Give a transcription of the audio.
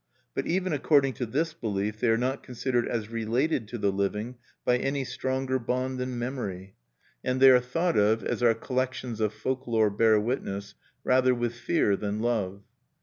But even according to this belief they are not considered as related to the living by any stronger bond than memory; and they are thought of, as our collections of folk lore bear witness, rather with fear than love.